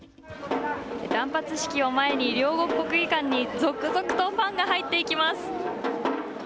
断髪式を前に両国国技館に続々とファンが入っていきます。